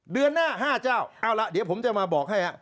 เดือนหน้า๕เจ้าเอาละเดี๋ยวผมจะมาบอกให้